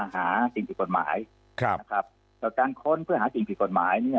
หาสิ่งผิดกฎหมายครับนะครับต่อการค้นเพื่อหาสิ่งผิดกฎหมายเนี่ย